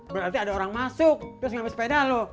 berarti ada orang masuk terus ngambil sepeda lo